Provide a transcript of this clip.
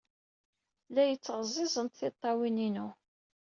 La iyi-ttɣeẓẓent tiṭṭawin-inu.